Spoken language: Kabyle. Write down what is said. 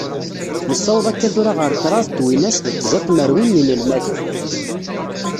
Nessaweḍ akka tura ɣar kraḍ twinas d tẓa tmerwin n yinelmaden.